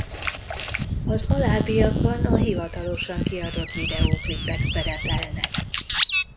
Az alábbiakban a hivatalosan kiadott videóklipek szerepelnek.